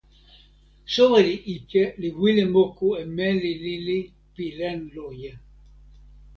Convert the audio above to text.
soweli ike li wile moku e meli lili pi len loje.